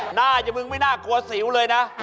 หน้าอย่างมึงไม่น่ากลัวสิวเลยนะ